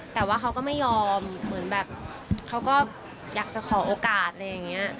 แต่ว่าเขาก็ไม่ยอมเหมือนแบบเขาก็อยากจะขอโอกาสอะไรอย่างนี้